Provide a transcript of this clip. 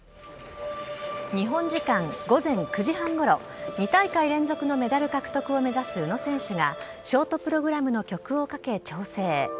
日本時間午前９時半ごろ２大会連続のメダル獲得を目指す宇野選手がショートプログラムの曲をかけ調整。